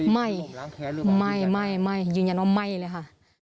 ไม่ไม่ยืนยันว่าไม่เลยค่ะ